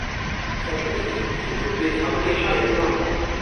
巧克力瘾是指对巧克力上瘾的状态。